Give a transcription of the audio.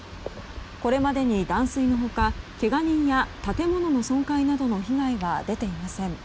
これまでに断水の他けが人や建物の損壊などの被害は出ていません。